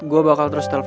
gue bakal terus telfon lo